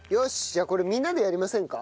じゃあこれみんなでやりませんか？